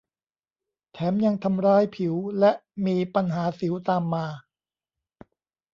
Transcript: แถมยังทำร้ายผิวและมีปัญหาสิวตามมา